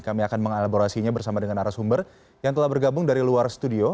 kami akan mengelaborasinya bersama dengan arah sumber yang telah bergabung dari luar studio